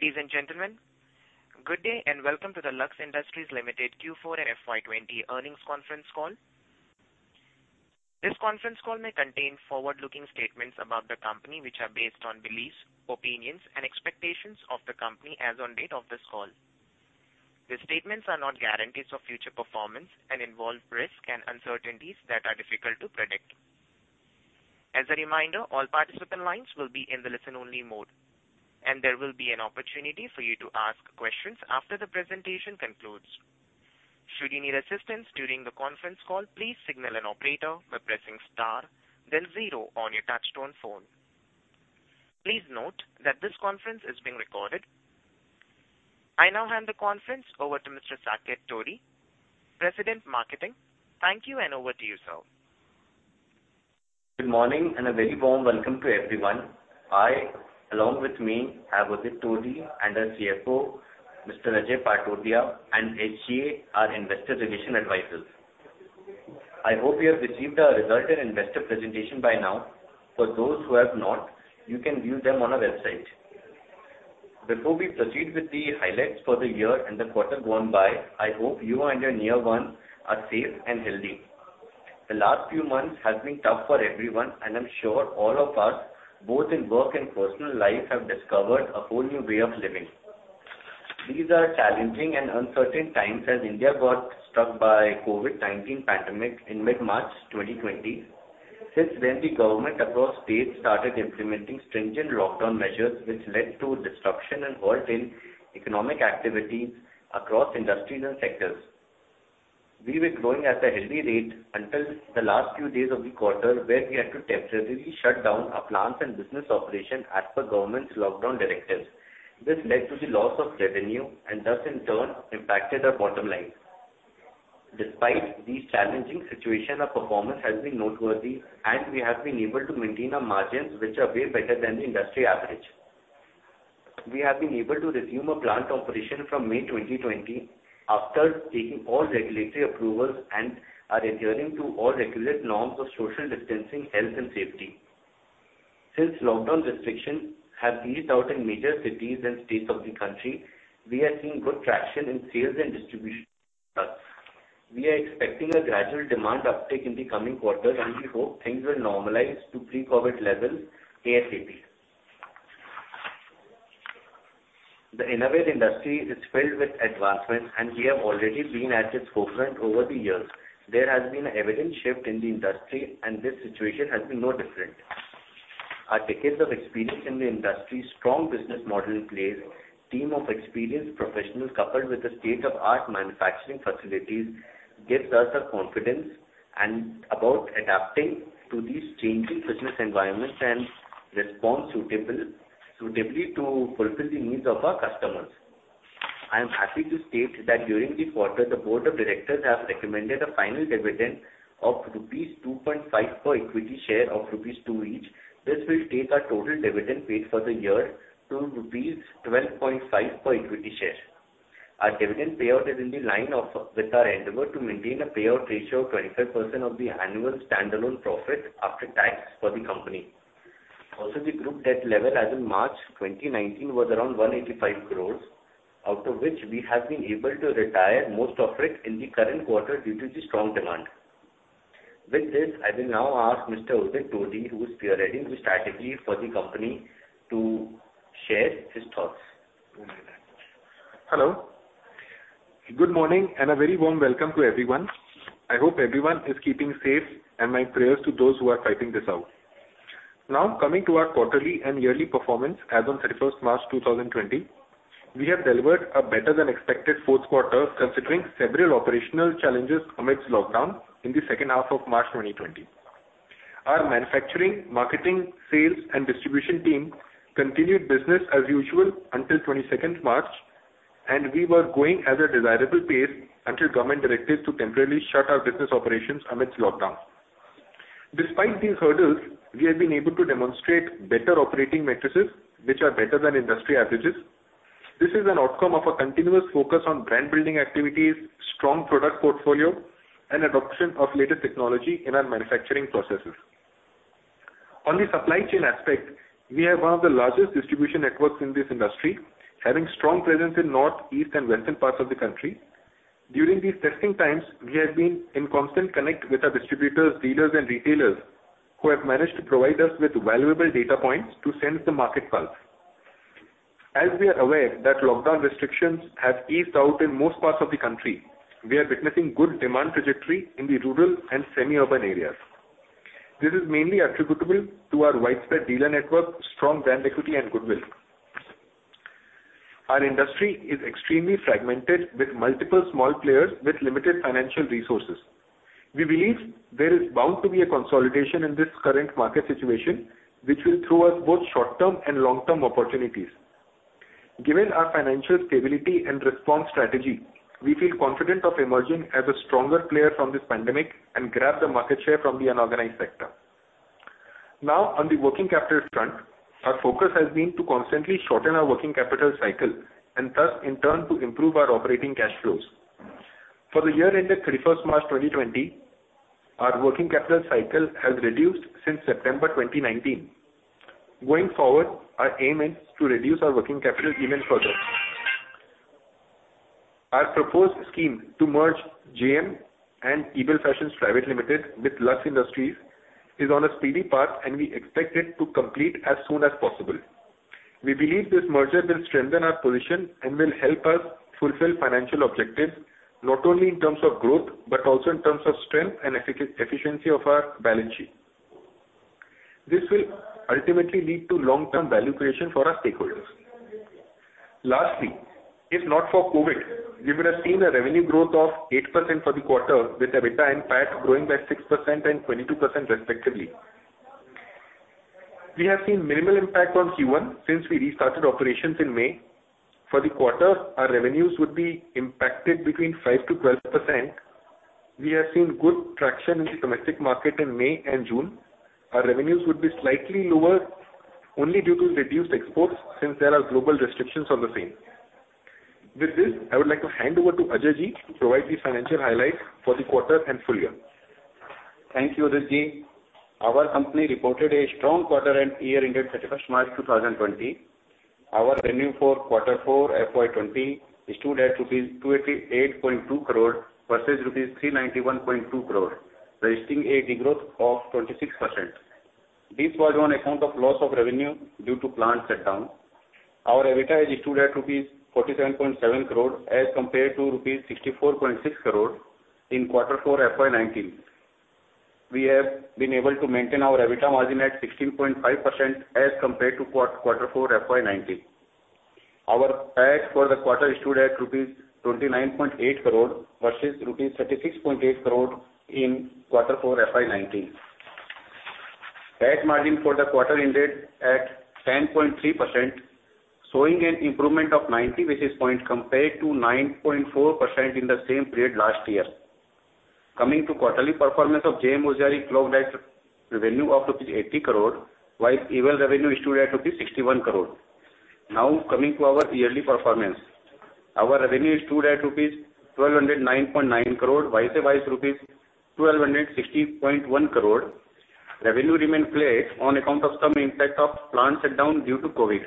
Ladies and gentlemen, good day, and welcome to the Lux Industries Limited Q4 and FY20 Earnings Conference Call. This conference call may contain forward-looking statements about the company, which are based on beliefs, opinions and expectations of the company as on date of this call. The statements are not guarantees of future performance and involve risks and uncertainties that are difficult to predict. As a reminder, all participant lines will be in the listen-only mode, and there will be an opportunity for you to ask questions after the presentation concludes. Should you need assistance during the conference call, please signal an operator by pressing star then zero on your touchtone phone. Please note that this conference is being recorded. I now hand the conference over to Mr. Saket Todi, President of Marketing. Thank you, and over to you, sir. Good morning, and a very warm welcome to everyone. I, along with me, have Udit Todi and our CFO, Mr. Ajay Patodia, and SGA, our investor relation advisors. I hope you have received our result and investor presentation by now. For those who have not, you can view them on our website. Before we proceed with the highlights for the year and the quarter gone by, I hope you and your near ones are safe and healthy. The last few months has been tough for everyone, and I'm sure all of us, both in work and personal life, have discovered a whole new way of living. These are challenging and uncertain times as India got struck by COVID-19 pandemic in mid-March 2020. Since then, the government across states started implementing stringent lockdown measures, which led to disruption and halt in economic activities across industries and sectors. We were growing at a healthy rate until the last few days of the quarter, where we had to temporarily shut down our plants and business operation as per government's lockdown directives. This led to the loss of revenue and thus, in turn, impacted our bottom line. Despite these challenging situation, our performance has been noteworthy, and we have been able to maintain our margins, which are way better than the industry average. We have been able to resume our plant operation from May 2020, after taking all regulatory approvals and are adhering to all regulatory norms for social distancing, health and safety. Since lockdown restrictions have eased out in major cities and states of the country, we are seeing good traction in sales and distribution. We are expecting a gradual demand uptick in the coming quarters, and we hope things will normalize to pre-COVID levels ASAP. The innovative industry is filled with advancements, and we have already been at its forefront over the years. There has been an evident shift in the industry, and this situation has been no different. Our decades of experience in the industry, strong business model in place, team of experienced professionals, coupled with the state-of-the-art manufacturing facilities, gives us the confidence and about adapting to these changing business environments and respond suitable, suitably to fulfill the needs of our customers. I am happy to state that during this quarter, the board of directors have recommended a final dividend of rupees 2.5 per equity share of rupees 2 each. This will take our total dividend paid for the year to rupees 12.5 per equity share. Our dividend payout is in line with our endeavor to maintain a payout ratio of 25% of the annual standalone profit after tax for the company. Also, the group debt level as of March 2019 was around 185 crore, out of which we have been able to retire most of it in the current quarter due to the strong demand. With this, I will now ask Mr. Udit Todi, who is spearheading the strategy for the company, to share his thoughts. Hello. Good morning, and a very warm welcome to everyone. I hope everyone is keeping safe, and my prayers to those who are fighting this out. Now, coming to our quarterly and yearly performance as on March 21, 2020, we have delivered a better-than-expected fourth quarter, considering several operational challenges amidst lockdown in the second half of March 2020. Our manufacturing, marketing, sales and distribution team continued business as usual until March 22, and we were growing at a desirable pace until government directives to temporarily shut our business operations amidst lockdown. Despite these hurdles, we have been able to demonstrate better operating metrics, which are better than industry averages. This is an outcome of our continuous focus on brand-building activities, strong product portfolio, and adoption of latest technology in our manufacturing processes. On the supply chain aspect, we have one of the largest distribution networks in this industry, having strong presence in North, East, and West parts of the country. During these testing times, we have been in constant contact with our distributors, dealers, and retailers, who have managed to provide us with valuable data points to sense the market pulse. As we are aware that lockdown restrictions have eased out in most parts of the country, we are witnessing good demand trajectory in the rural and semi-urban areas. This is mainly attributable to our widespread dealer network, strong brand equity, and goodwill. Our industry is extremely fragmented, with multiple small players with limited financial resources. We believe there is bound to be a consolidation in this current market situation, which will throw us both short-term and long-term opportunities. Given our financial stability and response strategy, we feel confident of emerging as a stronger player from this pandemic and grab the market share from the unorganized sector. Now, on the working capital front, our focus has been to constantly shorten our working capital cycle and thus, in turn, to improve our operating cash flows. For the year ended March 31. 2020, our working capital cycle has reduced since September 2019. Going forward, our aim is to reduce our working capital even further. Our proposed scheme to merge JM and Ebell Fashions Private Limited with Lux Industries is on a speedy path, and we expect it to complete as soon as possible. We believe this merger will strengthen our position and will help us fulfill financial objectives, not only in terms of growth, but also in terms of strength and efficiency of our balance sheet. This will ultimately lead to long-term value creation for our stakeholders. Lastly, if not for COVID, we would have seen a revenue growth of 8% for the quarter, with EBITDA and PAT growing by 6% and 22% respectively. We have seen minimal impact on Q1 since we restarted operations in May. For the quarter, our revenues would be impacted between 5% to 12%. We have seen good traction in the domestic market in May and June. Our revenues would be slightly lower only due to reduced exports since there are global restrictions on the same. With this, I would like to hand over to Ajay to provide the financial highlights for the quarter and full year. Thank you, Udit Todi. Our company reported a strong quarter and year ended March 31,2020. Our revenue for quarter four FY20 stood at rupees 288.2 crore versus rupees 391.2 crore, registering a degrowth of 26%. This was on account of loss of revenue due to plant shutdown. Our EBITDA stood at rupees 47.7 crore as compared to rupees 64.6 crore in quarter four FY19. We have been able to maintain our EBITDA margin at 16.5% as compared to quarter four FY19. Our PAT for the quarter stood at rupees 29.8 crore versus rupees 36.8 crore in quarter four FY19. PAT margin for the quarter ended at 10.3%, showing an improvement of 90 basis points compared to 9.4% in the same period last year. Coming to quarterly performance of J.M. Hosiery clocked at revenue of INR 80 crore, while Ebell revenue stood at INR 61 crore. Now, coming to our yearly performance. Our revenue stood at rupees 1,209.9 crore versus rupees 1,260.1 crore. Revenue remained flat on account of some impact of plant shutdown due to COVID.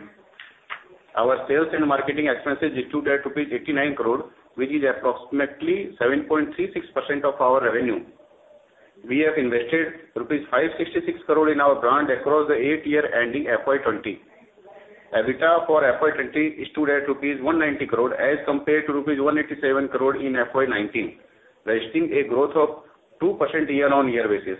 Our sales and marketing expenses stood at rupees 89 crore, which is approximately 7.36% of our revenue. We have invested 566 crore rupees in our brand across the eight year ending FY 20. EBITDA for FY20 stood at rupees 190 crore as compared to rupees 187 crore in FY19, registering a growth of 2% year-on-year basis.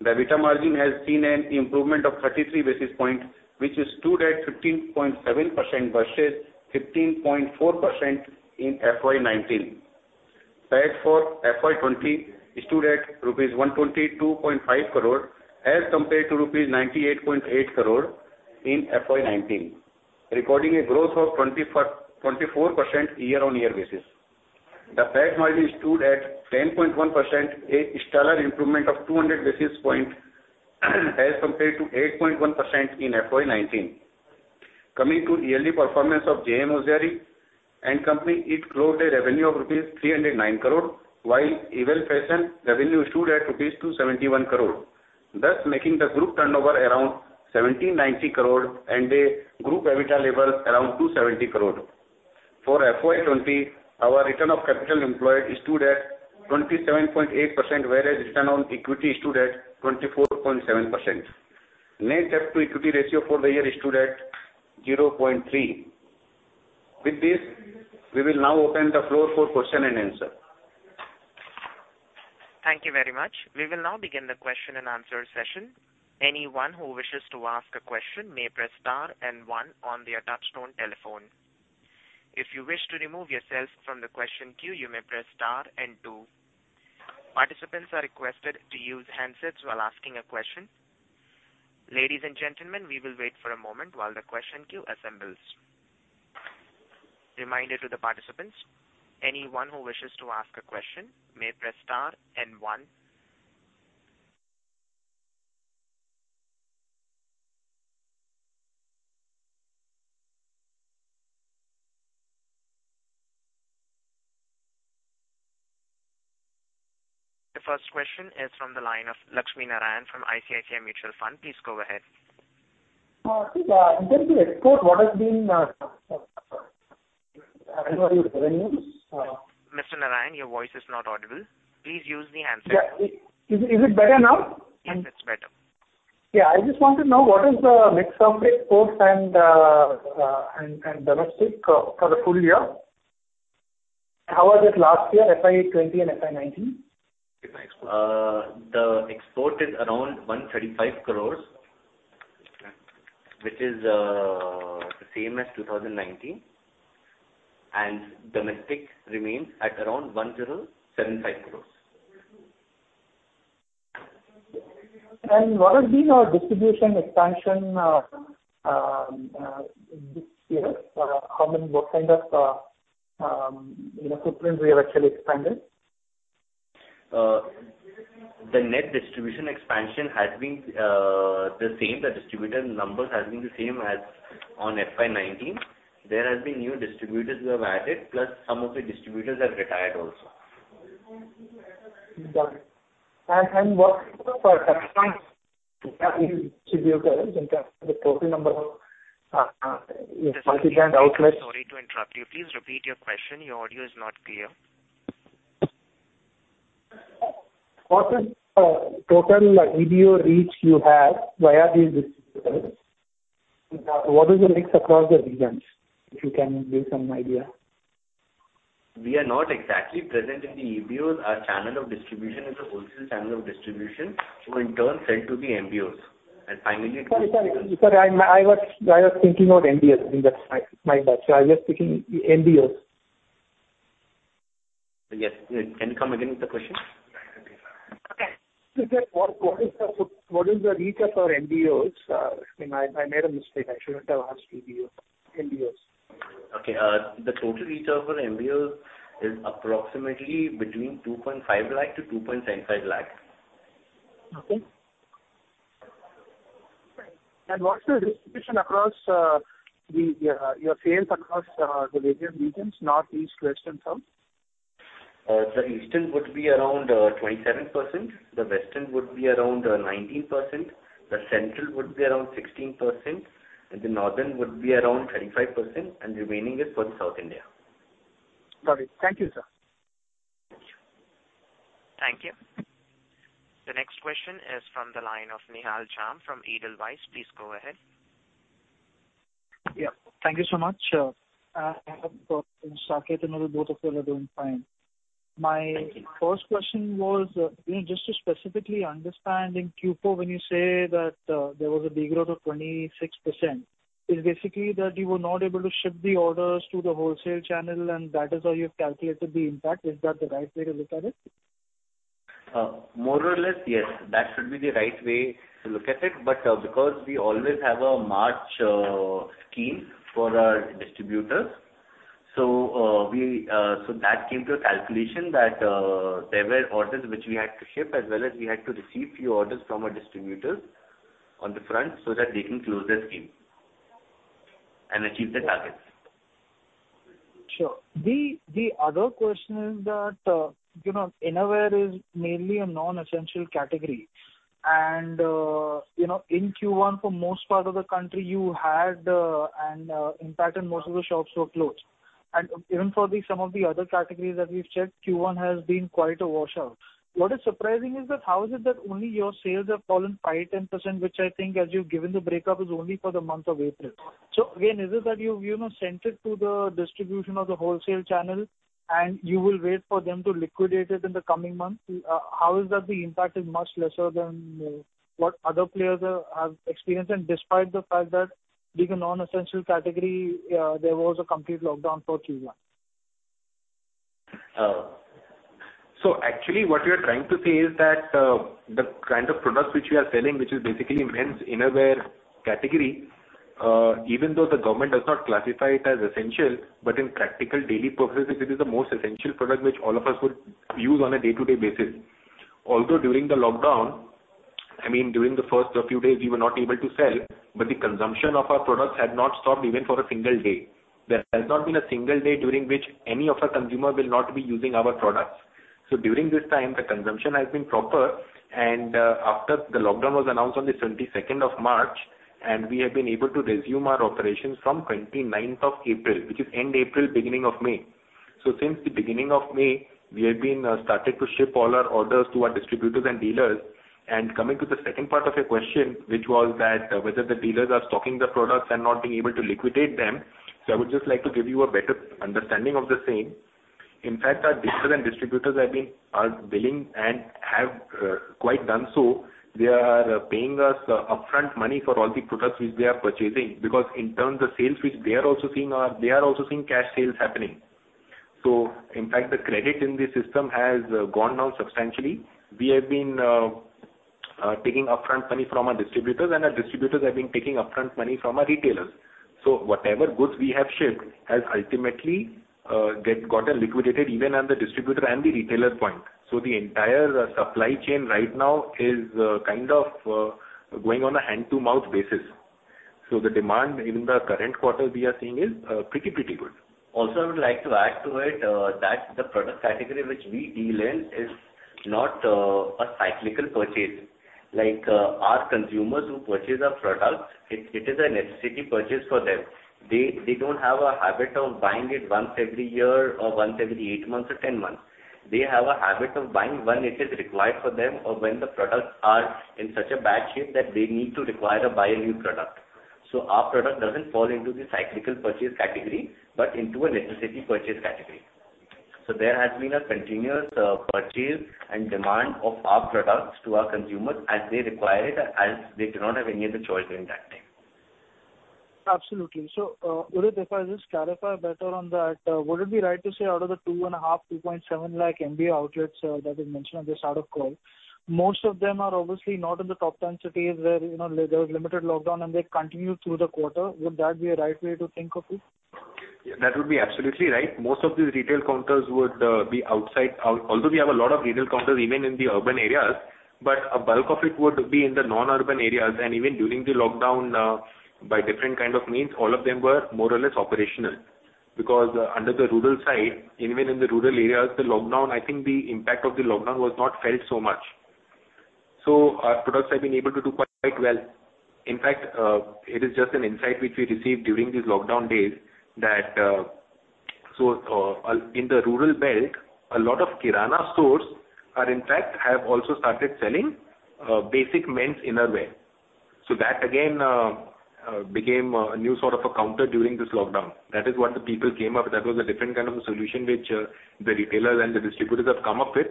The EBITDA margin has seen an improvement of 33 basis points, which stood at 15.7% versus 15.4% in FY19. PAT for FY20 stood at rupees 122.5 crore as compared to rupees 98.8 crore in FY19, recording a growth of 24% year-on-year basis. The PAT margin stood at 10.1%, a stellar improvement of 200 basis points as compared to 8.1% in FY19. Coming to yearly performance of J.M. Hosiery and Company, it closed a revenue of rupees 309 crore, while Ebell Fashions revenue stood at rupees 271 crore, thus making the group turnover around 1,790 crore and a group EBITDA level around 270 crore. For FY20, our return on capital employed stood at 27.8%, whereas return on equity stood at 24.7%. Net debt to equity ratio for the year stood at 0.3. With this, we will now open the floor for question and answer. Thank you very much. We will now begin the question and answer session. Anyone who wishes to ask a question may press star and one on their touchtone telephone. If you wish to remove yourself from the question queue, you may press star and two. Participants are requested to use handsets while asking a question. Ladies and gentlemen, we will wait for a moment while the question queue assembles. Reminder to the participants, anyone who wishes to ask a question may press star and one. The first question is from the line of Lakshminarayanan K from ICICI Mutual Fund. Please go ahead. I think, in terms of export, what has been... Sorry. Mr. Narayan, your voice is not audible. Please use the handset. Yeah. Is it better now? Yes, it's better. Yeah. I just want to know what is the mix of exports and domestic for the full year? How was it last year, FY20 and FY19? The export is around 135 crores, which is the same as 2019, and domestic remains at around 1,075 crores. What has been our distribution expansion this year? How many more kind of, you know, footprint we have actually expanded? ... the net distribution expansion has been the same. The distributor numbers has been the same as on FY19. There has been new distributors we have added, plus some of the distributors have retired also. Got it. And what total number of multi-brand outlets? Sorry to interrupt you. Please repeat your question. Your audio is not clear. What is total EBO reach you have via these distributors? What is the mix across the regions? If you can give some idea. We are not exactly present in the EBOs. Our channel of distribution is a wholesale channel of distribution, who in turn sell to the MBOs, and finally to- Sorry. I was thinking about MBOs. My bad. So I was just thinking MBOs. Yes. Can you come again with the question? Okay. What is the reach for MBOs? I mean, I made a mistake. I shouldn't have asked EBO, MBOs. Okay, the total reach out for MBOs is approximately between 2.5 lakh to 2.105 lakh. Okay. And what's the distribution across the your sales across the various regions, North, East, West, and South? The Eastern would be around 27%, the Western would be around 19%, the Central would be around 16%, and the Northern would be around 25%, and the remaining is for South India. Got it. Thank you, sir. Thank you. The next question is from the line of Nihal Jham from Edelweiss. Please go ahead. Yeah, thank you so much. I have a question, Saket and Anil, both of you are doing fine. Thank you. My first question was, you know, just to specifically understand, in Q4, when you say that, there was a degrowth of 26%, is basically that you were not able to ship the orders to the wholesale channel, and that is how you have calculated the impact. Is that the right way to look at it? More or less, yes, that should be the right way to look at it, but because we always have a March scheme for our distributors. So, that came to a calculation that there were orders which we had to ship, as well as we had to receive few orders from our distributors on the front, so that they can close their scheme and achieve their targets. Sure. The other question is that, you know, innerwear is mainly a non-essential category, and, you know, in Q1, for most part of the country, you had an impact, and most of the shops were closed. And even for some of the other categories that we've checked, Q1 has been quite a washout. What is surprising is that how is it that only your sales have fallen 5-10%, which I think, as you've given the breakup, is only for the month of April? So again, is it that you've, you know, sent it to the distribution or the wholesale channel, and you will wait for them to liquidate it in the coming months? How is that the impact is much lesser than what other players are, have experienced, and despite the fact that being a non-essential category, there was a complete lockdown for Q1? So actually, what we are trying to say is that, the kind of products which we are selling, which is basically men's innerwear category, even though the government does not classify it as essential, but in practical daily purposes, it is the most essential product which all of us would use on a day-to-day basis. Although during the lockdown, I mean, during the first few days, we were not able to sell, but the consumption of our products had not stopped even for a single day. There has not been a single day during which any of our consumer will not be using our products. So during this time, the consumption has been proper, and after the lockdown was announced on the of March 22, and we have been able to resume our operations fromof April 29, which is end April, beginning of May. So since the beginning of May, we have been started to ship all our orders to our distributors and dealers. And coming to the second part of your question, which was that whether the dealers are stocking the products and not being able to liquidate them. So I would just like to give you a better understanding of the same. In fact, our dealers and distributors have been, are willing and have quite done so. They are paying us upfront money for all the products which they are purchasing, because in turn, the sales which they are also seeing cash sales happening. So in fact, the credit in the system has gone down substantially. We have been taking upfront money from our distributors, and our distributors have been taking upfront money from our retailers. So whatever goods we have shipped has ultimately gotten liquidated even at the distributor and the retailer point. So the entire supply chain right now is kind of going on a hand-to-mouth basis. So the demand in the current quarter we are seeing is pretty good. Also, I would like to add to it that the product category which we deal in is not a cyclical purchase. Like, our consumers who purchase our products, it is a necessity purchase for them. They don't have a habit of buying it once every year or once every eight months or ten months. They have a habit of buying when it is required for them or when the products are in such a bad shape that they need to require to buy a new product. So our product doesn't fall into the cyclical purchase category, but into a necessity purchase category. So there has been a continuous purchase and demand of our products to our consumers as they require it, as they do not have any other choice during that time. Absolutely. So, if I just clarify better on that, would it be right to say out of the two and a half, two point seven lakh MBO outlets, that you mentioned on the start of call, most of them are obviously not in the top ten cities, where, you know, there was limited lockdown and they continued through the quarter. Would that be a right way to think of it? ... That would be absolutely right. Most of these retail counters would be outside. Although we have a lot of retail counters even in the urban areas, but a bulk of it would be in the non-urban areas, and even during the lockdown, by different kind of means, all of them were more or less operational. Because, under the rural side, even in the rural areas, the lockdown, I think the impact of the lockdown was not felt so much. So our products have been able to do quite well. In fact, it is just an insight which we received during this lockdown days, that, in the rural belt, a lot of kirana stores are in fact have also started selling, basic men's innerwear. So that again, became a new sort of a counter during this lockdown. That is what the people came up. That was a different kind of a solution which, the retailers and the distributors have come up with.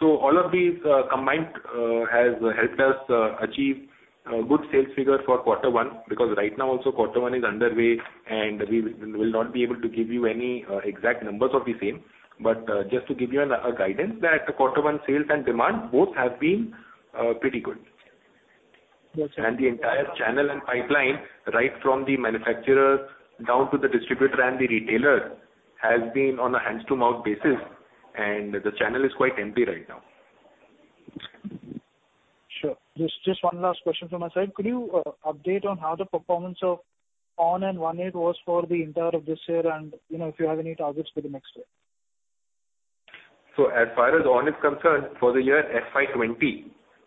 So all of these, combined, has helped us, achieve, good sales figure for quarter one, because right now also, quarter one is underway, and we will not be able to give you any, exact numbers of the same. But, just to give you a guidance, that quarter one sales and demand, both have been, pretty good. Yes, sir. The entire channel and pipeline, right from the manufacturer down to the distributor and the retailer, has been on a hands-to-mouth basis, and the channel is quite empty right now. Sure. Just one last question from my side. Could you update on how the performance of ONN and One8 was for the entire of this year and, you know, if you have any targets for the next year? So as far as ON is concerned, for the year FY20,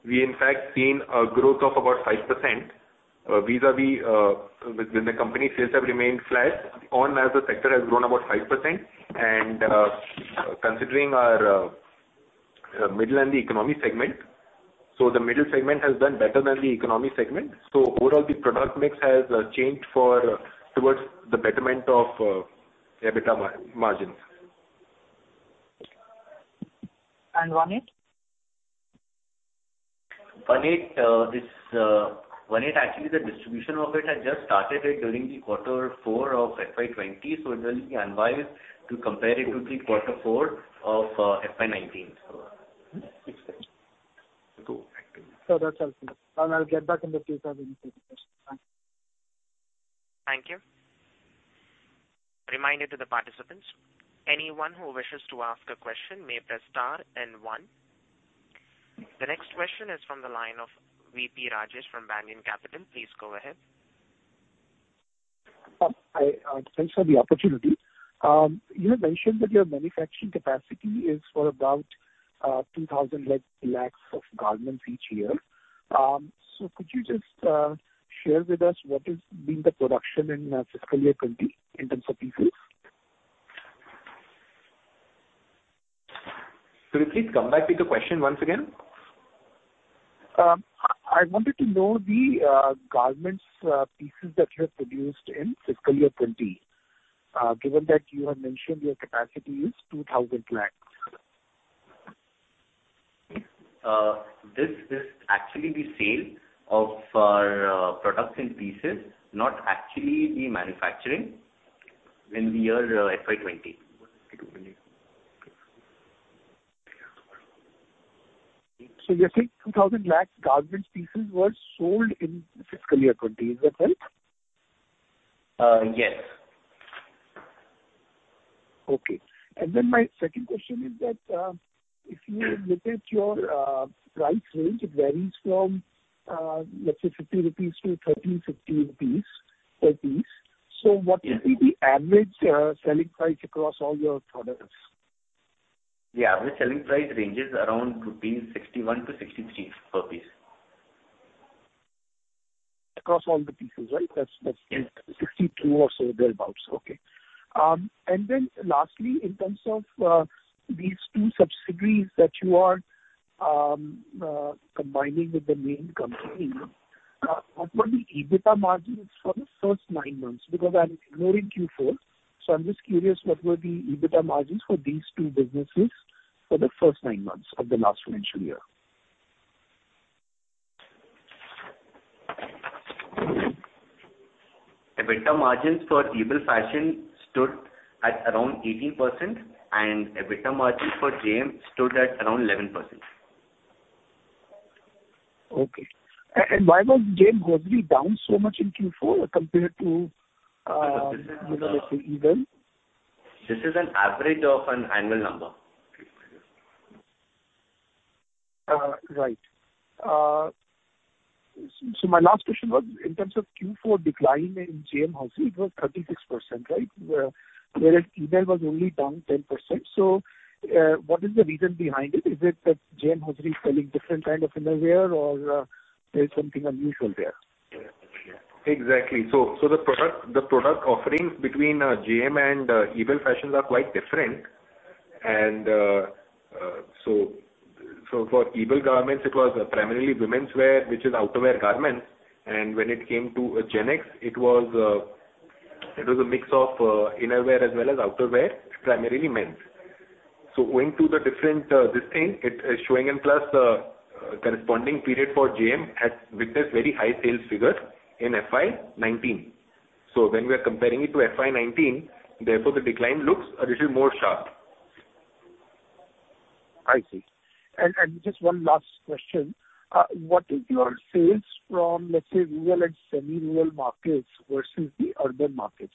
we in fact seen a growth of about 5%. Vis-à-vis, with the company sales have remained flat, ON as a sector has grown about 5%. And, considering our middle and the economy segment, so the middle segment has done better than the economy segment. So overall, the product mix has changed for towards the betterment of EBITDA margins. And One8? One8, actually, the distribution of it has just started during the quarter four of FY20, so it will be unwise to compare it to the quarter four of FY19. So. Cool. Thank you. So that's all. And I'll get back in the future with any further questions. Bye. Thank you. Reminder to the participants, anyone who wishes to ask a question may press star and one. The next question is from the line of VP Rajesh from Banyan Capital. Please go ahead. Hi, thanks for the opportunity. You had mentioned that your manufacturing capacity is for about two thousand lakhs of garments each year. So could you just share with us what has been the production in fiscal year twenty, in terms of pieces? Could you please come back with the question once again? I wanted to know the garments pieces that you have produced in fiscal year 2020, given that you have mentioned your capacity is 2,000 lakhs. This is actually the sale of our products in pieces, not actually the manufacturing in the year, FY20. So you're saying two thousand lakh garment pieces were sold in fiscal year 20. Is that right? Uh, yes. Okay. And then my second question is that, if you look at your price range, it varies from, let's say, 50-350 rupees per piece. So what will be the average selling price across all your products? The average selling price ranges around 61-63 rupees per piece. Across all the pieces, right? That's. Yes. Sixty-two or so, thereabout. Okay. And then lastly, in terms of these two subsidiaries that you are combining with the main company, what were the EBITDA margins for the first nine months? Because I'm ignoring Q4, so I'm just curious, what were the EBITDA margins for these two businesses for the first nine months of the last financial year? EBITDA margins for Ebell Fashions stood at around 18%, and EBITDA margin for JM stood at around 11%. Okay. And why was J.M. Hosiery down so much in Q4 compared to, let's say, Ebell? This is an average of an annual number. Right. So my last question was, in terms of Q4 decline in J.M. Hosiery, it was 36%, right? Whereas Ebell was only down 10%. So, what is the reason behind it? Is it that J.M. Hosiery is selling different kind of innerwear or, there is something unusual there? Exactly. The product offerings between J.M. and Ebell Fashions are quite different. For Ebell garments, it was primarily womenswear, which is outerwear garments. When it came to GenX, it was a mix of innerwear as well as outerwear, primarily men's. Owing to the different, the corresponding period for J.M. had witnessed very high sales figure in FY19. When we are comparing it to FY19, therefore the decline looks a little more sharp.... I see. And just one last question. What is your sales from, let's say, rural and semi-rural markets versus the urban markets?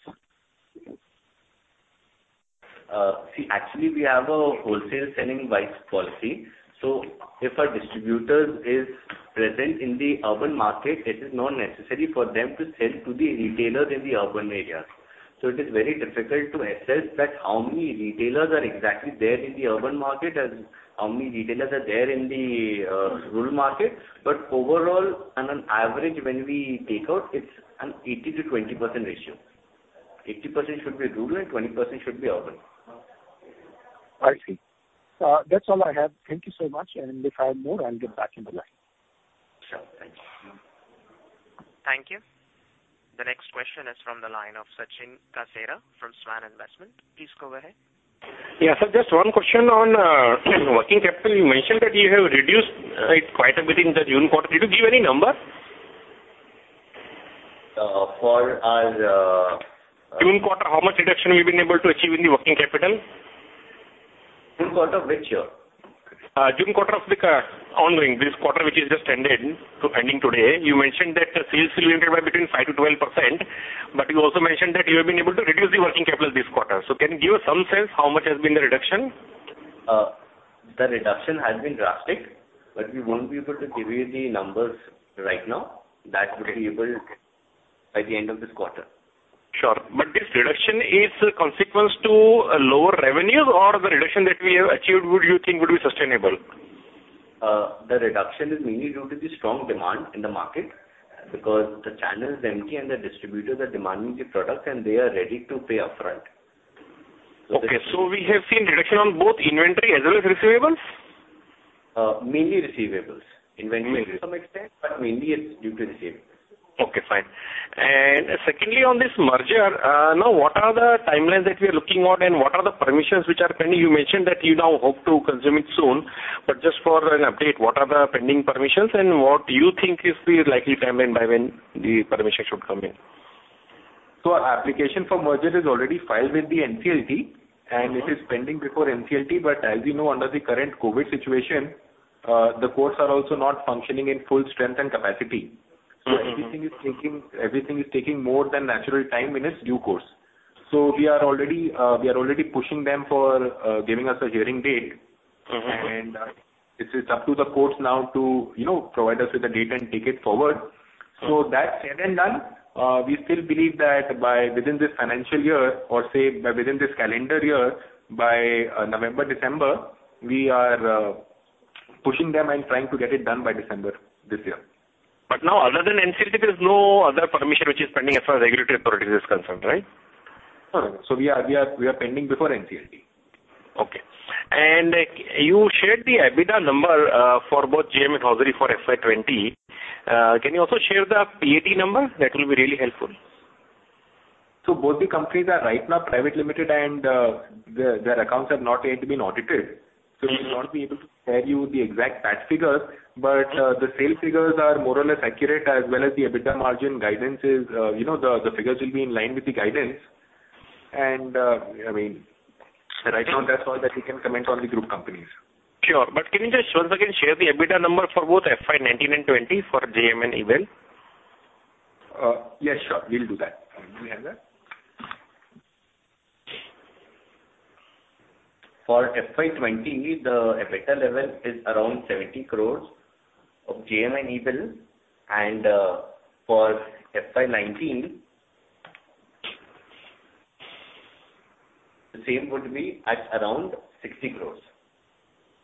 See, actually, we have a wholesale selling-wise policy. So if a distributor is present in the urban market, it is not necessary for them to sell to the retailers in the urban areas. So it is very difficult to assess that how many retailers are exactly there in the urban market and how many retailers are there in the rural market. But overall, on an average, when we take out, it's an 80%-20% ratio. 80% should be rural, and 20% should be urban. I see. That's all I have. Thank you so much, and if I have more, I'll get back in the line. Sure. Thank you. Thank you. The next question is from the line of Sachin Kasera from Svan Investment. Please go ahead. Yeah. So just one question on working capital. You mentioned that you have reduced it quite a bit in the June quarter. Did you give any number? For our June quarter, how much reduction you've been able to achieve in the working capital? June quarter, which year? June quarter of the ongoing this quarter, which is just ended, so ending today. You mentioned that the sales will increase by between 5% to 12%, but you also mentioned that you have been able to reduce the working capital this quarter. So can you give us some sense how much has been the reduction? The reduction has been drastic, but we won't be able to give you the numbers right now. That would be able by the end of this quarter. Sure. But this reduction is a consequence to a lower revenues or the reduction that we have achieved, would you think would be sustainable? The reduction is mainly due to the strong demand in the market, because the channel is empty and the distributors are demanding the product, and they are ready to pay upfront. Okay, so we have seen reduction on both inventory as well as receivables? Mainly receivables. Inventory to some extent, but mainly it's due to receivables. Okay, fine. And secondly, on this merger, now, what are the timelines that we are looking at, and what are the permissions which are pending? You mentioned that you now hope to close it soon, but just for an update, what are the pending permissions, and what do you think is the likely timeline by when the permission should come in? So our application for merger is already filed with the NCLT, and it is pending before NCLT. But as you know, under the current COVID situation, the courts are also not functioning in full strength and capacity. Mm-hmm. Everything is taking more than natural time in its due course. We are already pushing them for giving us a hearing date. Mm-hmm. And, it is up to the courts now to, you know, provide us with a date and take it forward. So that said and done, we still believe that by within this financial year or, say, by within this calendar year, by November, December, we are pushing them and trying to get it done by December this year. But now other than NCLT, there is no other permission which is pending as far as regulatory authority is concerned, right? No. So we are pending before NCLT. Okay. And you shared the EBITDA number, for J.M. Hosiery for FY20. Can you also share the PAT number? That will be really helpful. So both the companies are right now private limited, and their accounts have not yet been audited. Mm-hmm. So we will not be able to share you the exact PAT figures, but, the sales figures are more or less accurate, as well as the EBITDA margin guidance is, you know, the figures will be in line with the guidance. And, I mean, right now, that's all that we can comment on the group companies. Sure, but can you just once again share the EBITDA number for both FY19 and FY20 for JM and Ebell? Yes, sure. We'll do that. Do we have that? For FY20, the EBITDA level is around 70 crores of JM and Ebell, and for FY19, the same would be at around 60 crores.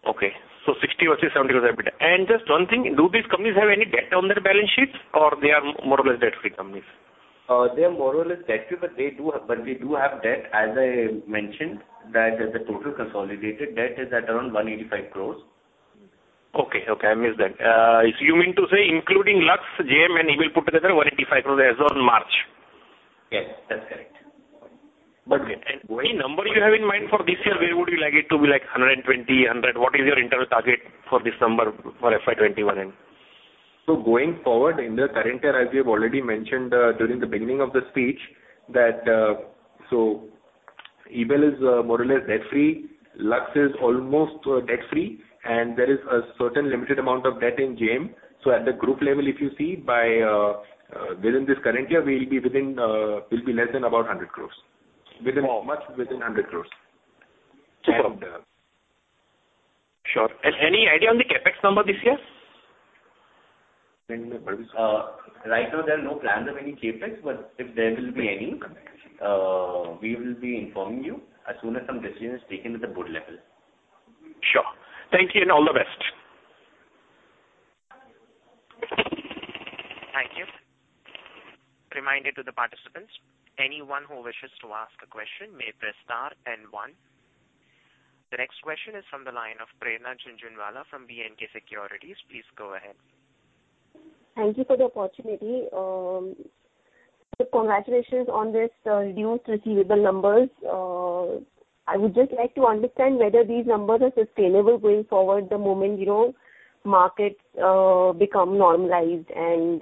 Okay. So 60 versus 70 crores EBITDA. And just one thing, do these companies have any debt on their balance sheets, or they are more or less debt-free companies? They are more or less debt-free, but they do have debt. As I mentioned, that the total consolidated debt is at around 185 crores. Okay, okay, I missed that, so you mean to say including Lux, JM, and Ebell put together, 185 crores as on March? Yes, that's correct. But any number you have in mind for this year, where would you like it to be, like hundred and twenty, hundred? What is your internal target for this number for FY21 end? So going forward in the current year, as we have already mentioned during the beginning of the speech, that Ebell is more or less debt-free, Lux is almost debt-free, and there is a certain limited amount of debt in JM. So at the group level, if you see, by within this current year, we will be within. We'll be less than about 100 crores. Wow! Much within 100 crores. Superb. And, uh- Sure. Any idea on the CapEx number this year? Right now, there are no plans of any CapEx, but if there will be any, we will be informing you as soon as some decision is taken at the board level. Sure. Thank you, and all the best. Thank you. Reminder to the participants, anyone who wishes to ask a question may press star then one. The next question is from the line of Prerna Jhunjhunwala from B&K Securities. Please go ahead. Thank you for the opportunity. So congratulations on this reduced receivables numbers. I would just like to understand whether these numbers are sustainable going forward, the moment, you know, markets become normalized and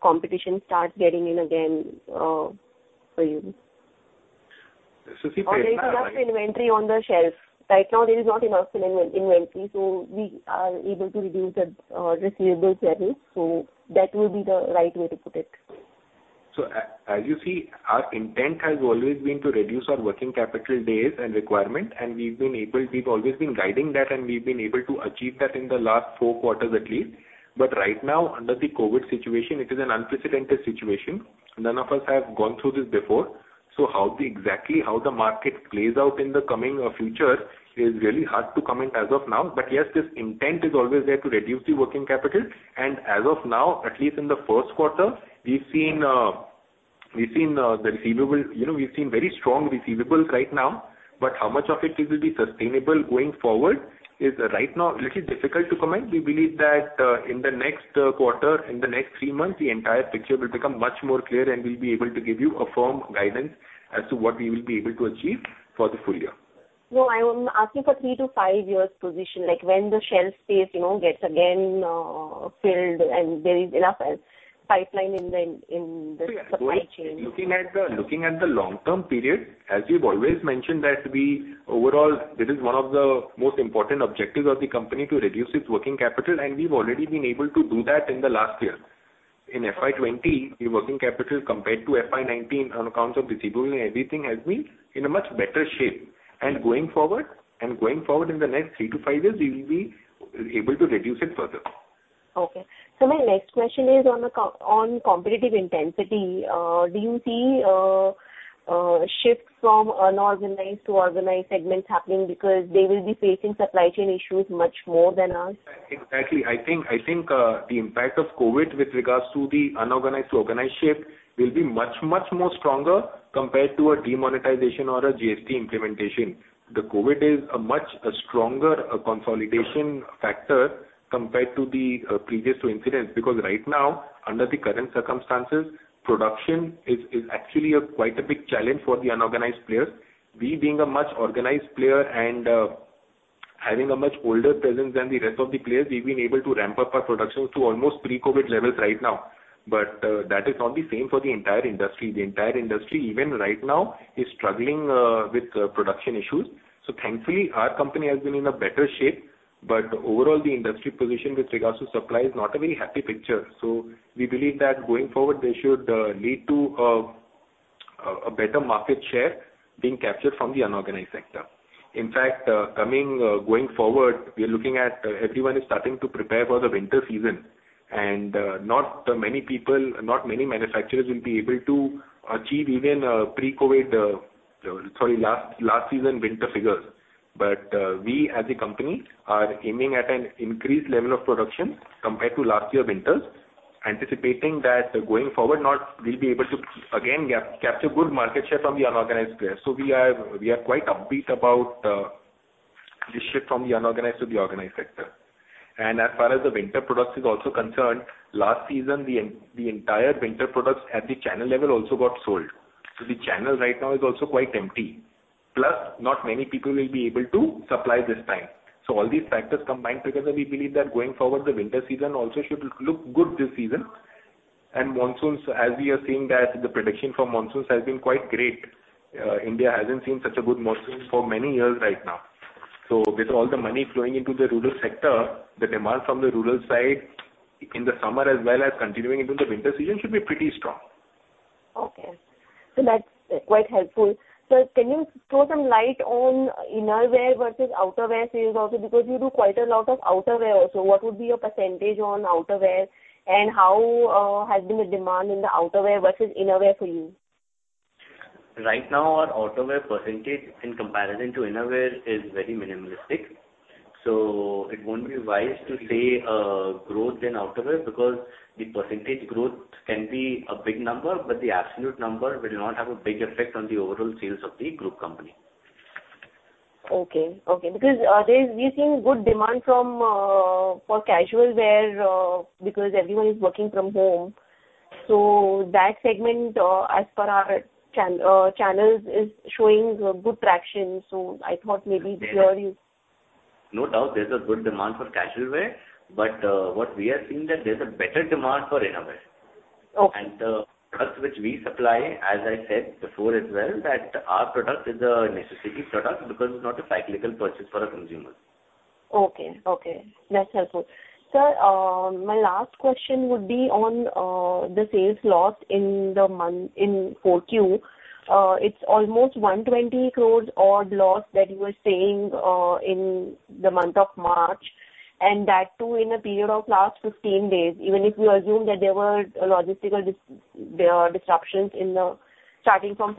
competition starts getting in again for you? Or there is enough inventory on the shelf. Right now, there is not enough inventory, so we are able to reduce the receivables that is, so that will be the right way to put it. So as you see, our intent has always been to reduce our working capital days and requirement, and we've been able, we've always been guiding that, and we've been able to achieve that in the last four quarters at least. But right now, under the COVID situation, it is an unprecedented situation. None of us have gone through this before. So how exactly the market plays out in the coming future is really hard to comment as of now. But yes, this intent is always there to reduce the working capital, and as of now, at least in the first quarter, we've seen the receivables. You know, we've seen very strong receivables right now, but how much of it will be sustainable going forward is right now a little difficult to comment. We believe that, in the next quarter, in the next three months, the entire picture will become much more clear, and we'll be able to give you a firm guidance as to what we will be able to achieve for the full year. No, I am asking for three to five years position, like when the shelf space, you know, gets again filled and there is enough pipeline in the supply chain. Looking at the long-term period, as we've always mentioned that we overall, this is one of the most important objectives of the company, to reduce its working capital, and we've already been able to do that in the last year. In FY20, the working capital compared to FY19 on accounts of receivable and everything has been in a much better shape. And going forward in the next three to five years, we will be able to reduce it further. Okay. So my next question is on competitive intensity. Do you see shifts from unorganized to organized segments happening because they will be facing supply chain issues much more than us? Exactly. I think the impact of COVID with regards to the unorganized to organized shift will be much more stronger compared to a Demonetization or a GST implementation. The COVID is a much stronger consolidation factor compared to the previous two incidents. Because right now, under the current circumstances, production is actually quite a big challenge for the unorganized players. We being a much organized player and having a much older presence than the rest of the players, we've been able to ramp up our production to almost pre-COVID levels right now. But that is not the same for the entire industry. The entire industry, even right now, is struggling with production issues. Thankfully, our company has been in a better shape, but overall, the industry position with regards to supply is not a very happy picture. We believe that going forward, there should lead to a better market share being captured from the unorganized sector. In fact, going forward, we are looking at everyone is starting to prepare for the winter season, and not many manufacturers will be able to achieve even pre-COVID, sorry, last season winter figures. We, as a company, are aiming at an increased level of production compared to last year winters, anticipating that going forward, now we'll be able to again capture good market share from the unorganized players. We are quite upbeat about the shift from the unorganized to the organized sector. As far as the Winter products is also concerned, last season, the entire Winter products at the channel level also got sold. So the channel right now is also quite empty. Plus, not many people will be able to supply this time. So all these factors combined together, we believe that going forward, the winter season also should look good this season. And monsoons, as we are seeing that the prediction for monsoons has been quite great. India hasn't seen such a good monsoon for many years right now. So with all the money flowing into the rural sector, the demand from the rural side in the summer as well as continuing into the winter season, should be pretty strong. Okay. So that's quite helpful. Sir, can you throw some light on innerwear versus outerwear sales also? Because you do quite a lot of outerwear also. What would be your percentage on outerwear, and how has been the demand in the outerwear versus innerwear for you? Right now, our outerwear percentage in comparison to innerwear is very minimalistic. So it won't be wise to say, growth in outerwear because the percentage growth can be a big number, but the absolute number will not have a big effect on the overall sales of the group company. Okay, okay. Because we've seen good demand for casual wear because everyone is working from home. So that segment, as per our channels, is showing good traction. So I thought maybe here you- No doubt, there's a good demand for casual wear, but what we are seeing that there's a better demand for innerwear. Okay. The products which we supply, as I said before as well, that our product is a necessity product because it's not a cyclical purchase for a consumer. Okay, okay. That's helpful. Sir, my last question would be on the sales loss in 4Q. It's almost 120 crore odd loss that you were saying in the month of March, and that, too, in a period of last 15 days. Even if you assume that there were logistical disruptions starting from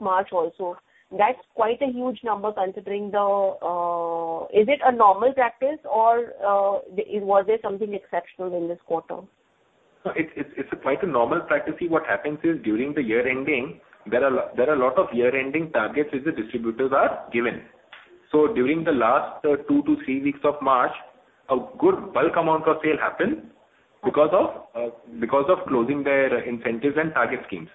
March 15 also, that's quite a huge number considering the. Is it a normal practice or was there something exceptional in this quarter? No, it's quite a normal practice. See, what happens is, during the year-ending, there are a lot of year-ending targets which the distributors are given. So during the last two to three weeks of March, a good bulk amount of sale happened because of closing their incentives and target schemes.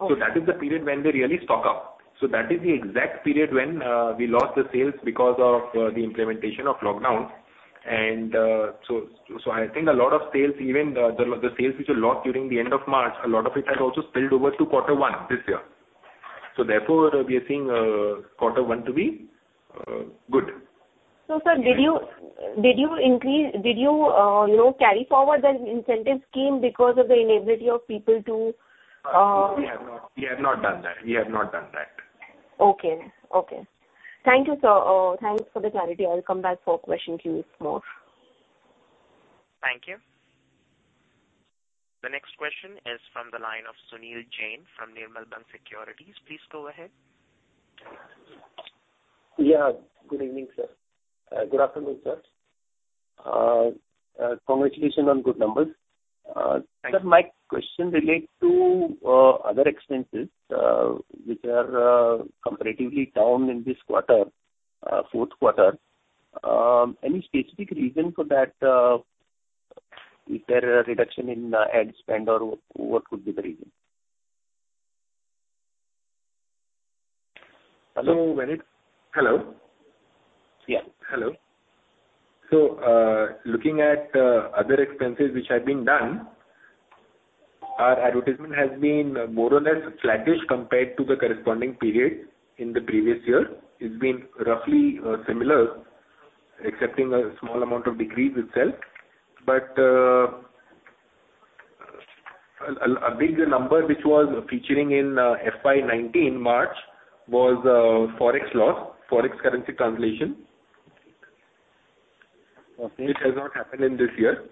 Okay. So that is the period when they really stock up. So that is the exact period when we lost the sales because of the implementation of lockdown... And so I think a lot of sales, even the sales which are lost during the end of March, a lot of it has also spilled over to quarter one this year. So therefore, we are seeing quarter one to be good. So, sir, did you increase, you know, carry forward the incentive scheme because of the inability of people to? We have not done that. Okay, okay. Thank you, sir. Thanks for the clarity. I will come back for questions if more. Thank you. The next question is from the line of Sunil Jain from Nirmal Bang Securities. Please go ahead. Yeah, good evening, sir. Good afternoon, sir. Congratulations on good numbers. Sir, my question relates to other expenses, which are comparatively down in this quarter, fourth quarter. Any specific reason for that? Is there a reduction in ad spend, or what could be the reason? Hello, Sunil. Hello? Yeah. Hello. Looking at other expenses which have been done, our advertisement has been more or less flattish compared to the corresponding period in the previous year. It's been roughly similar, excepting a small amount of decrease itself. A big number which was featuring in FY19 March was Forex loss, Forex currency translation, which has not happened in this year.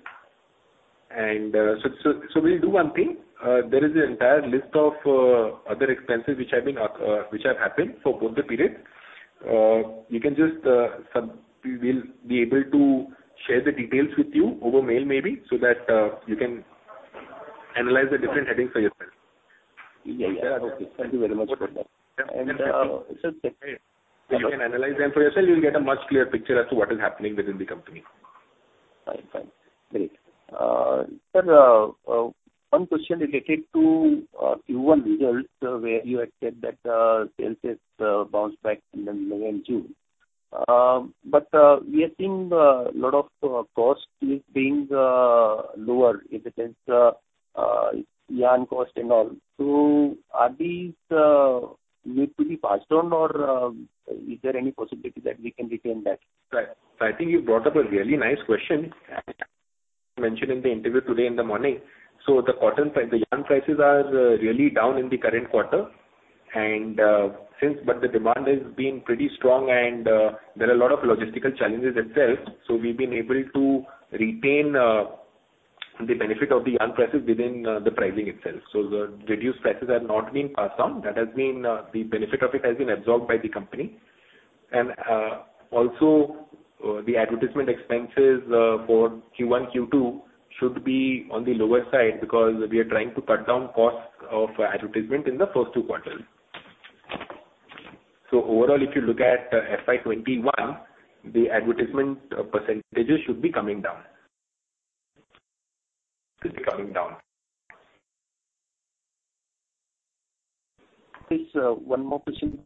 We'll do one thing. There is an entire list of other expenses which have happened for both the periods. We will be able to share the details with you over mail maybe, so that you can analyze the different headings for yourself. Yeah, yeah. Thank you very much for that. You can analyze them for yourself. You'll get a much clearer picture as to what is happening within the company. Fine, fine. Great. Sir, one question related to Q1 results, where you had said that sales has bounced back in May and June. But we are seeing a lot of cost is being lower, if it is yarn cost and all. So are these need to be passed on or is there any possibility that we can retain that? I think you brought up a really nice question. Mentioned in the interview today in the morning. The cotton pri- the yarn prices are really down in the current quarter, and, since but the demand has been pretty strong and, there are a lot of logistical challenges itself. We've been able to retain the benefit of the yarn prices within the pricing itself. The reduced prices have not been passed on. That has been the benefit of it has been absorbed by the company. And also the advertisement expenses for Q1, Q2 should be on the lower side because we are trying to cut down costs of advertisement in the first two quarters. Overall, if you look at FY 2021, the advertisement percentages should be coming down. Should be coming down. Please, one more question.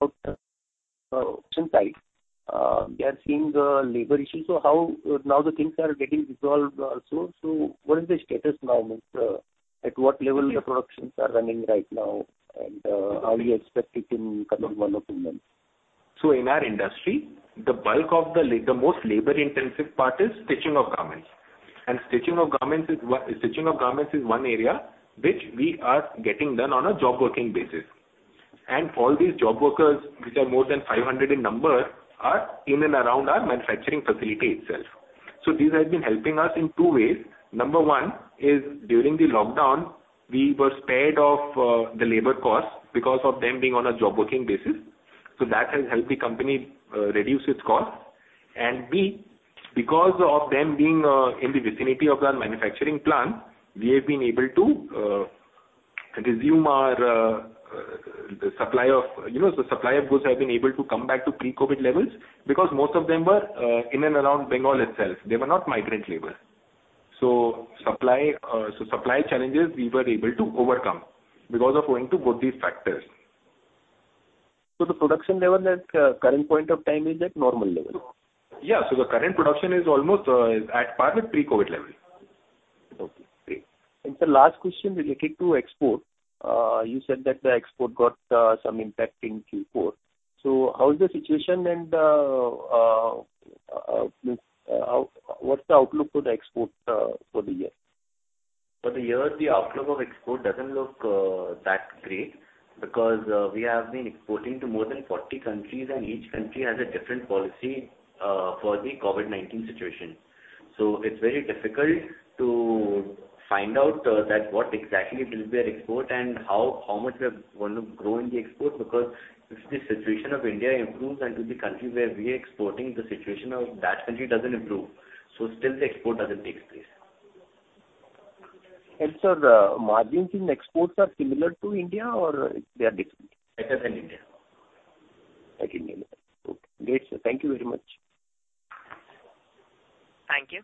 We are seeing the labor issue, so how now the things are getting resolved also. So what is the status now with, at what level the productions are running right now, and, how do you expect it in coming one or two months? In our industry, the bulk of the most labor-intensive part is stitching of garments. And stitching of garments is one area which we are getting done on a job working basis. And for all these job workers, which are more than 500 in number, are in and around our manufacturing facility itself. This has been helping us in two ways. Number one is, during the lockdown, we were spared of the labor cost because of them being on a job working basis. That has helped the company reduce its cost. B, because of them being in the vicinity of our manufacturing plant, we have been able to resume our supply of, you know, the supply of goods have been able to come back to pre-COVID levels because most of them were in and around Bengal itself. They were not migrant labor. Supply challenges we were able to overcome because of owing to both these factors. So the production level at current point of time is at normal level? Yeah, so the current production is almost at par with pre-COVID level. Okay, great. And the last question related to export. You said that the export got some impact in Q4. So how is the situation and how, what's the outlook for the export for the year? For the year, the outlook of export doesn't look that great because we have been exporting to more than forty countries, and each country has a different policy for the COVID-19 situation. So it's very difficult to find out that what exactly will be our export and how much we are going to grow in the export, because if the situation of India improves and to the country where we are exporting, the situation of that country doesn't improve, so still the export doesn't takes place. Sir, margins in exports are similar to India or they are different? Better than India. Like India. Okay, great, sir. Thank you very much. Thank you.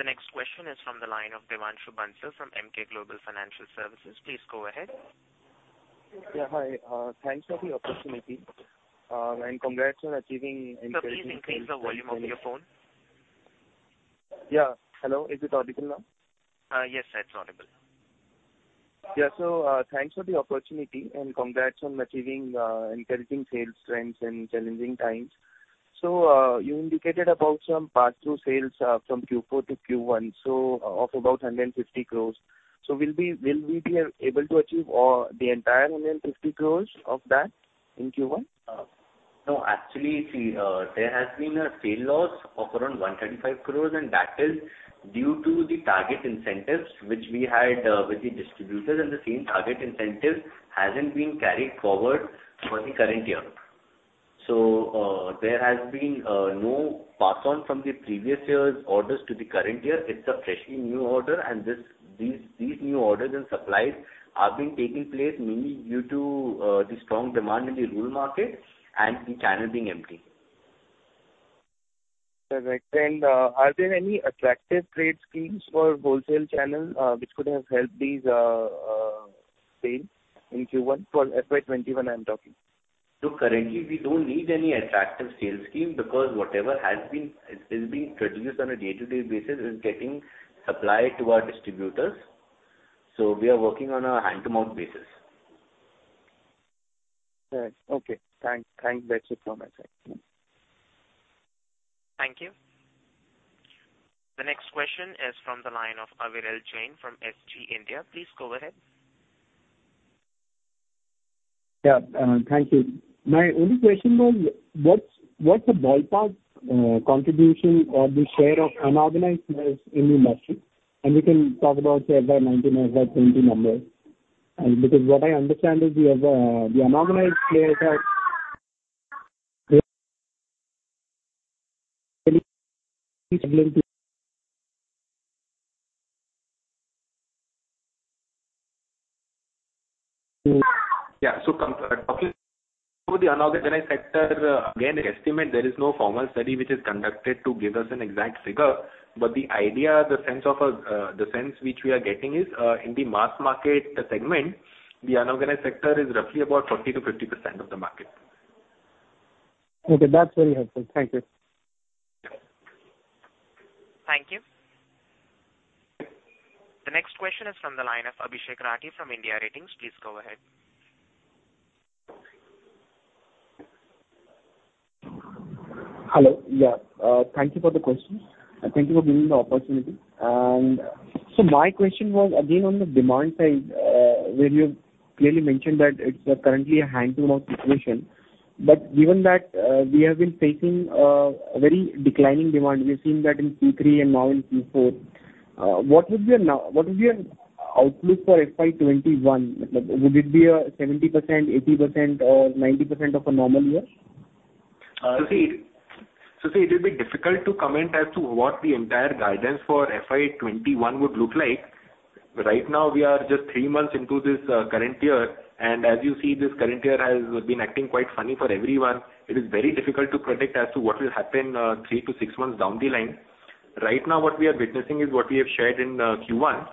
This is from the line of Devanshu Bansal from Emkay Global Financial Services. Please go ahead. Yeah, hi. Thanks for the opportunity, and congrats on achieving- Sir, please increase the volume of your phone. Yeah. Hello, is it audible now? Yes, it's audible. Yeah, so, thanks for the opportunity, and congrats on achieving encouraging sales trends in challenging times. So, you indicated about some pass-through sales from Q4 to Q1, so of about 150 crores. So will we, will we be able to achieve all, the entire 150 crores of that in Q1? No, actually, see, there has been a sales loss of around 135 crores, and that is due to the target incentives which we had with the distributors, and the same target incentive hasn't been carried forward for the current year. So, there has been no pass on from the previous year's orders to the current year. It's a freshly new order, and this, these, these new orders and supplies are being taking place mainly due to the strong demand in the rural market and the channel being empty. Perfect. And, are there any attractive trade schemes for wholesale channel, which could have helped these sales in Q1? For FY21, I'm talking. So currently, we don't need any attractive sales scheme because whatever has been, is being produced on a day-to-day basis is getting supplied to our distributors. So we are working on a hand-to-mouth basis. Right. Okay, thanks. Thanks. That's it from my side. Thank you. The next question is from the line of Aviral Jain from SG India. Please go ahead. Yeah, thank you. My only question was, what's the ballpark contribution or the share of unorganized players in the industry? And you can talk about share by nineteen or by twenty numbers. And because what I understand is we have the unorganized players are Yeah, so come to the unorganized sector, again, estimate there is no formal study which is conducted to give us an exact figure. But the idea, the sense of, the sense which we are getting is, in the mass market segment, the unorganized sector is roughly about 40%-50% of the market. Okay, that's very helpful. Thank you. Thank you. The next question is from the line of Abhishek Rathi from India Ratings. Please go ahead. Hello, yeah. Thank you for the questions, and thank you for giving the opportunity. And so my question was again on the demand side, where you have clearly mentioned that it's currently a hand-to-mouth situation. But given that, we have been facing very declining demand, we've seen that in Q3 and now in Q4, what would be your outlook for FY 2021? Would it be a 70%, 80%, or 90% of a normal year? So, it will be difficult to comment as to what the entire guidance for FY21 would look like. Right now, we are just three months into this current year, and as you see, this current year has been acting quite funny for everyone. It is very difficult to predict as to what will happen three to six months down the line. Right now, what we are witnessing is what we have shared in Q1.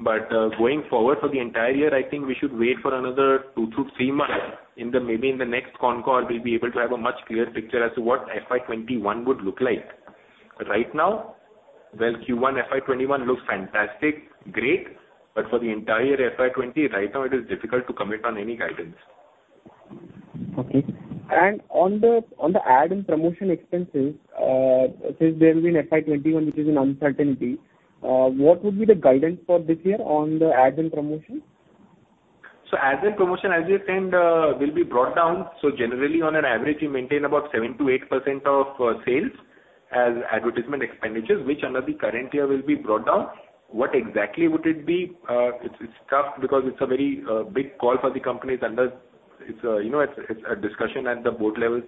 But going forward for the entire year, I think we should wait for another two to three months. In the maybe in the next concall, we'll be able to have a much clearer picture as to what FY21 would look like. Right now, well, Q1 FY21 looks fantastic, great. But for the entire FY20, right now it is difficult to commit on any guidance. Okay. On the ad and promotion expenses, since there will be an FY21, which is an uncertainty, what would be the guidance for this year on the ads and promotions? So ads and promotion, as you said, will be brought down. So generally, on an average, we maintain about 7%-8% of sales as advertisement expenditures, which under the current year will be brought down. What exactly would it be? It's tough because it's a very big call for the company. It's a, you know, it's a discussion at the board level.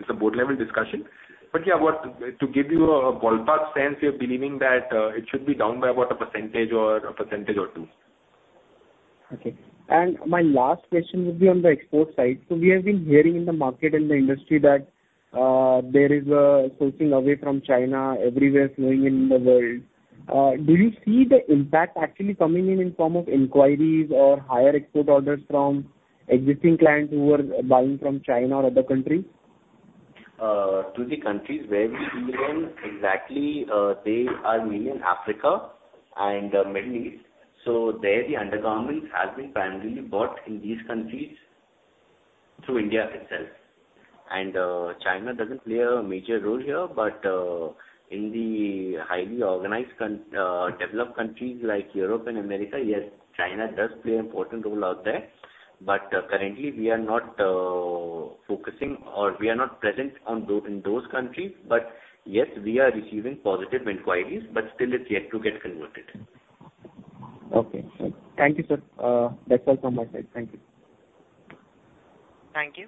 It's a board-level discussion. But yeah, to give you a ballpark sense, we are believing that it should be down by about 1% or 2%. Okay. And my last question would be on the export side. So we have been hearing in the market, in the industry, that there is a sourcing away from China everywhere flowing in the world. Do you see the impact actually coming in, in form of inquiries or higher export orders from existing clients who are buying from China or other countries? To the countries where we deal in, exactly, they are mainly in Africa and the Middle East, so there, the undergarments have been primarily bought in these countries through India itself, and China doesn't play a major role here, but in the highly organized, developed countries like Europe and America, yes, China does play an important role out there, but currently, we are not focusing, or we are not present in those countries, but yes, we are receiving positive inquiries, but still it's yet to get converted. Okay. Thank you, sir. That's all from my side. Thank you. Thank you.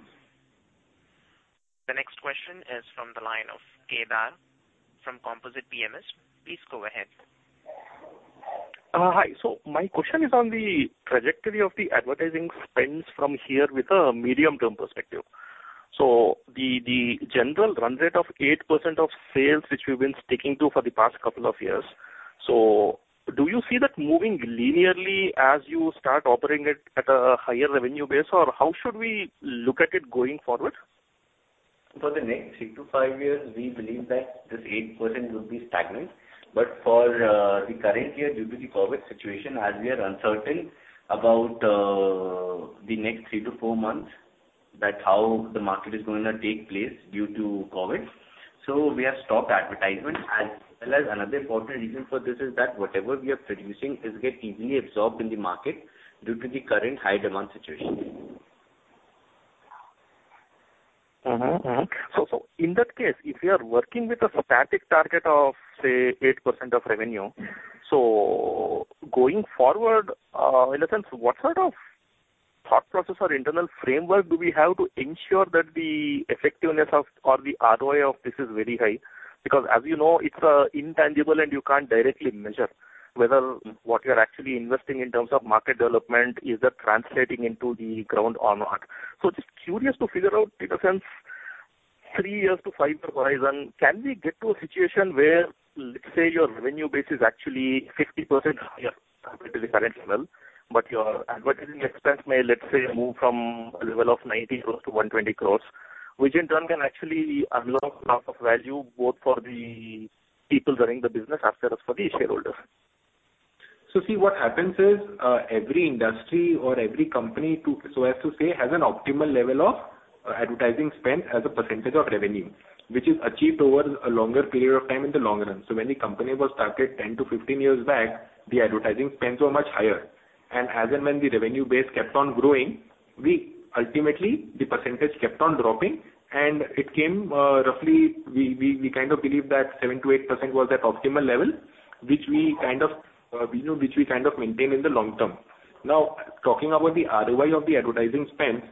The next question is from the line of K. Dhar from Composite PMS Please go ahead.... Hi. So my question is on the trajectory of the advertising spends from here with a medium-term perspective. So the general run rate of 8% of sales, which we've been sticking to for the past couple of years. So do you see that moving linearly as you start operating it at a higher revenue base, or how should we look at it going forward? For the next three to five years, we believe that this 8% will be stagnant, but for the current year, due to the COVID situation, as we are uncertain about the next three to four months, that how the market is going to take place due to COVID, so we have stopped advertisement. As well as another important reason for this is that whatever we are producing is get easily absorbed in the market due to the current high demand situation. Mm-hmm. Mm-hmm. So in that case, if you are working with a static target of, say, 8% of revenue, so going forward, in a sense, what sort of thought process or internal framework do we have to ensure that the effectiveness of or the ROI of this is very high? Because, as you know, it's intangible and you can't directly measure whether what you are actually investing in terms of market development is that translating into the ground or not. So just curious to figure out, in a sense, three years to five-year horizon, can we get to a situation where, let's say, your revenue base is actually 50% higher compared to the current level, but your advertising expense may, let's say, move from a level of 90 crores to 120 crores, which in turn can actually unlock lot of value, both for the people running the business as well as for the shareholders? See, what happens is, every industry or every company, so as to say, has an optimal level of advertising spend as a percentage of revenue, which is achieved over a longer period of time in the long run. When the company was started 10-15 years back, the advertising spends were much higher. As and when the revenue base kept on growing, we ultimately, the percentage kept on dropping, and it came roughly. We kind of believe that 7%-8% was that optimal level, which we kind of, you know, which we kind of maintain in the long term. Now, talking about the ROI of the advertising spends,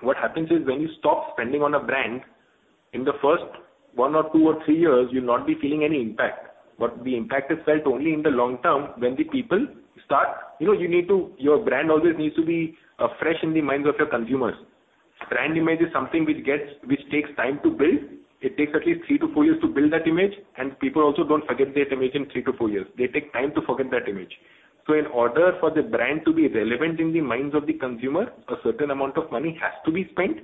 what happens is, when you stop spending on a brand, in the first one or two or three years, you'll not be feeling any impact, but the impact is felt only in the long term when the people start... You know, you need to. Your brand always needs to be fresh in the minds of your consumers. Brand image is something which gets, which takes time to build. It takes at least three to four years to build that image, and people also don't forget that image in three to four years. They take time to forget that image. So in order for the brand to be relevant in the minds of the consumer, a certain amount of money has to be spent,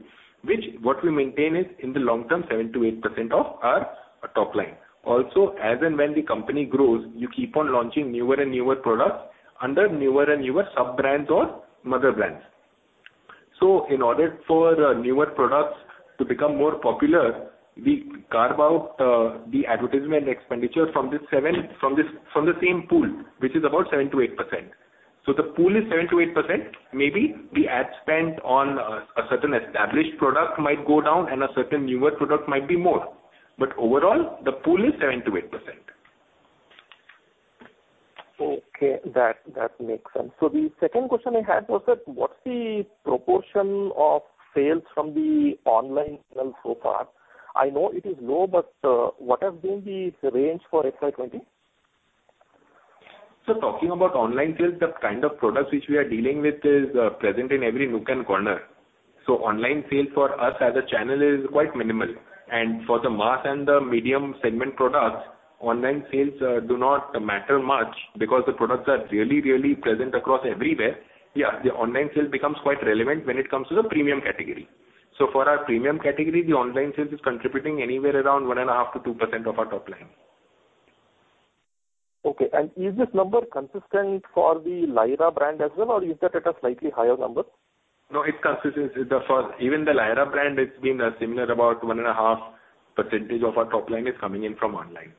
which what we maintain is, in the long term, 7%-8% of our top line. Also, as and when the company grows, you keep on launching newer and newer products under newer and newer sub-brands or mother brands. In order for the newer products to become more popular, we carve out the advertisement expenditure from the same pool, which is about 7%-8%. The pool is 7%-8%. Maybe the ad spend on a certain established product might go down and a certain newer product might be more, but overall, the pool is 7%-8%. Okay, that makes sense. So the second question I had was that, what's the proportion of sales from the online channel so far? I know it is low, but, what have been the range for FY20? So talking about online sales, the kind of products which we are dealing with is present in every nook and corner. So online sales for us as a channel is quite minimal. And for the mass and the medium segment products, online sales do not matter much because the products are really, really present across everywhere. Yeah, the online sales becomes quite relevant when it comes to the premium category. So for our premium category, the online sales is contributing anywhere around 1.5%-2% of our top line. Okay. And is this number consistent for the Lyra brand as well, or is that at a slightly higher number? No, it's consistent. Even the Lyra brand, it's been similar, about 1.5% of our top line is coming in from online.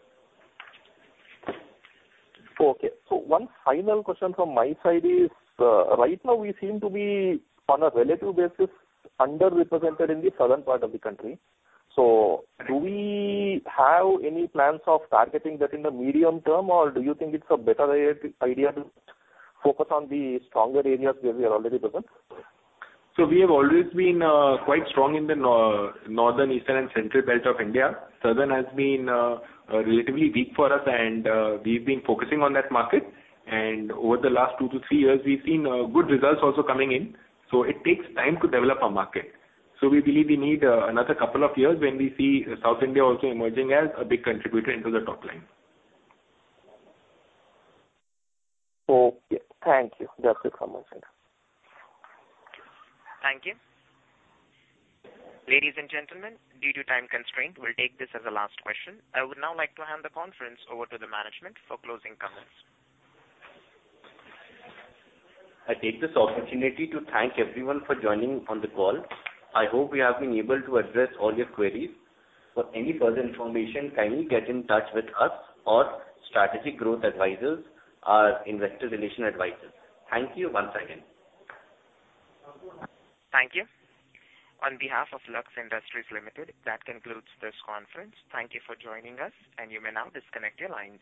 Okay. So one final question from my side is, right now we seem to be, on a relative basis, underrepresented in the southern part of the country. So do we have any plans of targeting that in the medium term, or do you think it's a better idea to focus on the stronger areas where we are already present? So we have always been quite strong in the northern, eastern, and central belt of India. Southern has been relatively weak for us, and we've been focusing on that market. And over the last two to three years, we've seen good results also coming in. So it takes time to develop a market. So we believe we need another couple of years when we see South India also emerging as a big contributor into the top line. Okay. Thank you. That is from my side. Thank you. Ladies and gentlemen, due to time constraint, we'll take this as the last question. I would now like to hand the conference over to the management for closing comments. I take this opportunity to thank everyone for joining on the call. I hope we have been able to address all your queries. For any further information, kindly get in touch with us or Strategic Growth Advisors, our investor relation advisors. Thank you once again. Thank you. On behalf of Lux Industries Limited, that concludes this conference. Thank you for joining us, and you may now disconnect your lines.